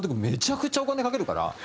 めちゃくちゃお金かけるから。